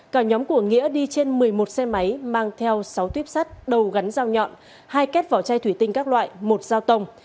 cả nhóm của nghĩa đi trên một mươi một xe máy mang theo sáu tuyếp sắt đầu gắn dao nhọn hai kết vỏ chai thủy tinh các loại một dao tông